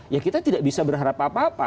ya kita tidak bisa berharap apa apa